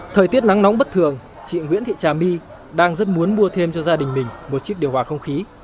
thời tiết nắng nóng bất thường chị nguyễn thị trà my đang rất muốn mua thêm cho gia đình mình một chiếc điều hòa không khí